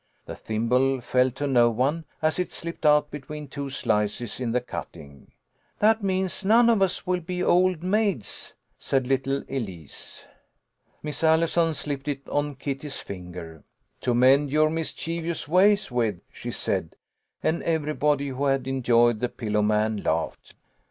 The thimble fell to no one, as it slipped out between two slices in the cutting. " That means none of us will be old maids," said little Elise. Miss Allison slipped it on Kitty's finger. "To mend your mischievous ways with," she said, and everybody who had enjoyed the pillow man laughed.